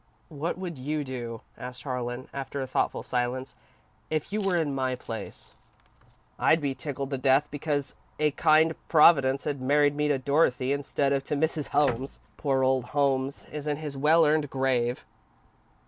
"What would you do?" asked Harlan, after a thoughtful silence, "if you were in my place?" "I'd be tickled to death because a kind Providence had married me to Dorothy instead of to Mrs. Holmes. Poor old Holmes is in his well earned grave."